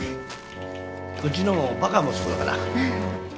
うちのもバカ息子だから。